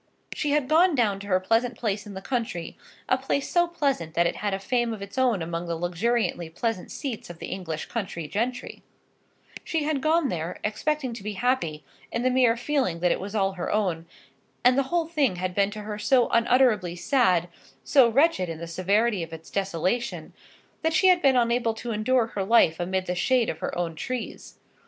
She had gone down to her pleasant place in the country, a place so pleasant that it had a fame of its own among the luxuriantly pleasant seats of the English country gentry; she had gone there, expecting to be happy in the mere feeling that it was all her own; and the whole thing had been to her so unutterably sad, so wretched in the severity of its desolation, that she had been unable to endure her life amidst the shade of her own trees.